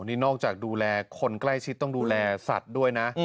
นี่นอกจากดูแลคนใกล้ชิดต้องดูแลสัตว์ด้วยนะ